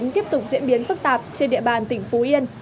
tiếp tục diễn biến phức tạp trên địa bàn tỉnh phú yên